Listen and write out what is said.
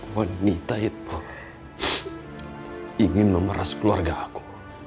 wanita itu ingin memeras keluarga aku